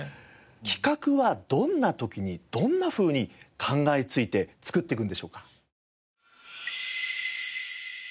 企画はどんな時にどんなふうに考えついて作っていくんでしょうか？